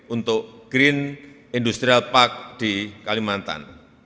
untuk green industrial park di kalimantan